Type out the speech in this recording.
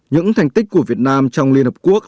những thành tích của việt nam trong liên hợp quốc